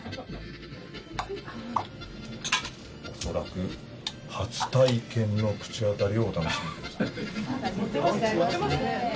恐らく初体験の口当たりをお楽しみ下さい。